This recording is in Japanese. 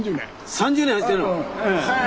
３０年走ってるの⁉へえ！